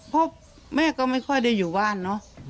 เพราะแม่ก็ไม่ค่อยได้อยู่บ้านเนอะ